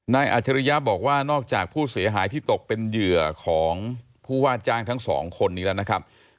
อาจริยะบอกว่านอกจากผู้เสียหายที่ตกเป็นเหยื่อของผู้ว่าจ้างทั้งสองคนนี้แล้วนะครับ